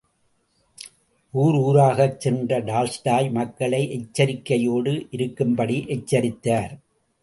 ஊர் ஊராகச் சென்ற டால்ஸ்டாய் மக்களை எச்சரிக்கையோடு இருக்கும்படி எச்சரித்தார்.